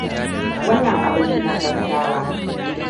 Wannan abu ne na gaggawa.